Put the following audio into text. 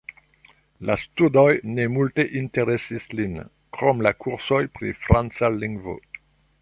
La studoj ne multe interesis lin krom la kursoj pri franca lingvo.